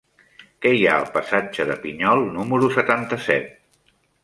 Què hi ha al passatge de Pinyol número setanta-set?